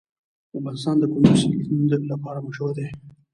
افغانستان د کندز سیند لپاره مشهور دی.